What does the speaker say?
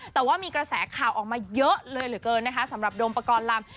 แต่ว่ามีกระแสข่าวออกมาเยอะเลยเหลือเกินนะคะสำหรับโดมปกรณ์ลำ